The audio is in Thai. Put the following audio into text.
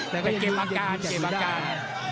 แต่ก็ยังยังยังมีแค่ดูได้